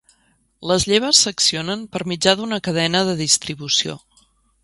Les lleves s'accionen per mitjà d'una cadena de distribució.